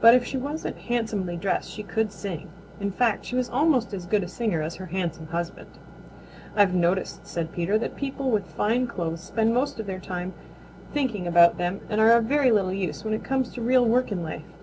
But if she wasn't handsomely dressed she could sing. In fact she was almost as good a singer as her handsome husband. "I've noticed," said Peter, "that people with fine clothes spend most of their time thinking about them and are of very little use when it comes to real work in life."